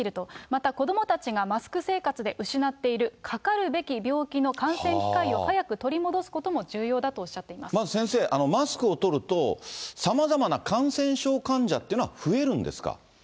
また子どもたちがマスク生活で失っている、かかるべき病気の感染機会を早く取り戻すことも重要だとおっしゃまず先生、マスクを取ると、さまざまな感染症患者っていうのは増えるんですか。